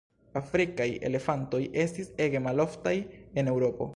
Afrikaj elefantoj estis ege maloftaj en Eŭropo.